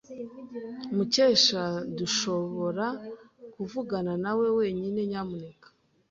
Mukesha, dushobora kuvugana nawe wenyine, nyamuneka?